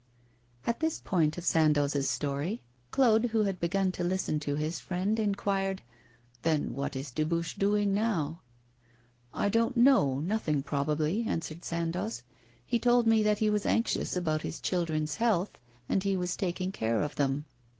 At this point of Sandoz's story, Claude, who had begun to listen to his friend, inquired: 'Then what is Dubuche doing now?' 'I don't know nothing probably,' answered Sandoz. 'He told me that he was anxious about his children's health, and was taking care of them.